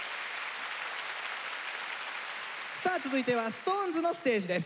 さあ続いてはＳｉｘＴＯＮＥＳのステージです。